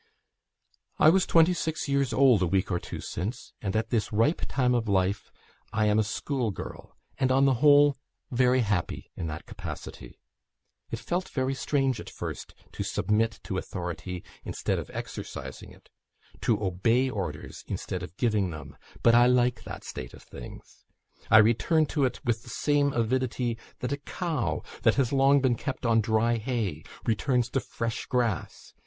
"I was twenty six years old a week or two since; and at this ripe time of life I am a school girl, and, on the whole, very happy in that capacity. It felt very strange at first to submit to authority instead of exercising it to obey orders instead of giving them; but I like that state of things. I returned to it with the same avidity that a cow, that has long been kept on dry hay, returns to fresh grass.